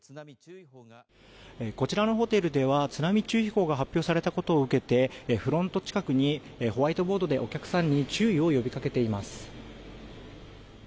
こちらのホテルでは津波注意報が発表されたことを受けフロント近くにホワイトボードでお客さんに注意を呼び掛けています。